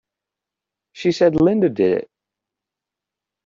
She said Linda did it!